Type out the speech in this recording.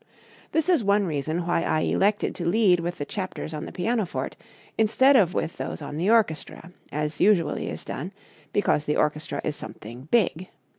This is one reason why I elected to lead with the chapters on the pianoforte instead of with those on the orchestra, as usually is done, because the orchestra is something "big."